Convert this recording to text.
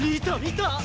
見た？